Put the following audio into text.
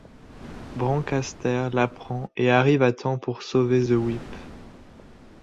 Brancaster l'apprend et arrive à temps pour sauver The Whip.